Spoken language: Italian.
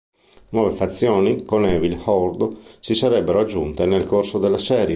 Nuove fazioni con Evil Horde si sarebbero aggiunte nel corso della serie.